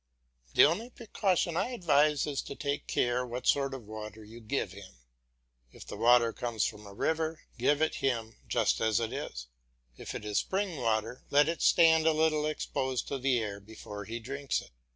The only precaution I advise is to take care what sort of water you give him. If the water comes from a river, give it him just as it is; if it is spring water let it stand a little exposed to the air before he drinks it.